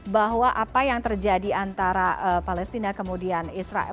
bahwa apa yang terjadi antara palestina kemudian israel